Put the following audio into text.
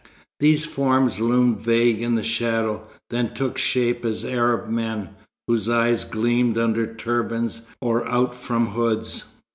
These forms loomed vague in the shadow, then took shape as Arab men, whose eyes gleamed under turbans or out from hoods.